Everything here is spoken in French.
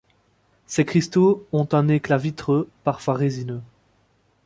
Ces cristaux ont un éclat vitreux, parfois résineux.